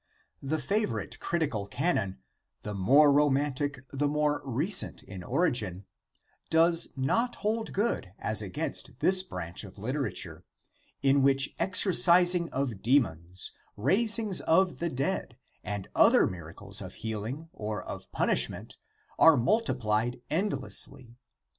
The favorite critical canon —" the more romantic the more recent in origin" — does not hold good as against this branch of literature, in which exorcising of demons, raisings of the dead, and other miracles of healing or of punishment are multiplied endlessly.